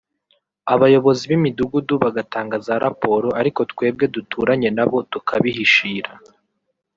abayobozi b’imidugudu bagatanga za raporo ariko twebwe duturanye nabo tukabihishira